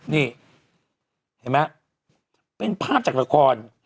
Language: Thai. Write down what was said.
นี่เห็นไหมเป็นภาพจากละคร